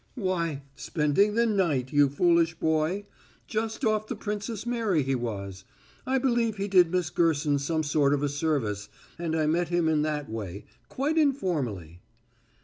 "Why, spending the night, you foolish boy. Just off the Princess Mary, he was. I believe he did Miss Gerson some sort of a service and I met him in that way quite informally."